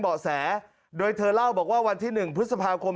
เบาะแสโดยเธอเล่าบอกว่าวันที่๑พฤษภาคม